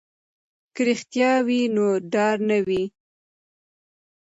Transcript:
که رښتیا وي نو ډار نه وي.